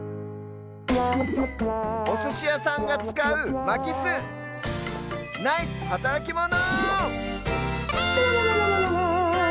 おすしやさんがつかうまきすナイスはたらきモノ！